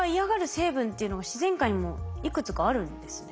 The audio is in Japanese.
成分っていうのが自然界にもいくつかあるんですね。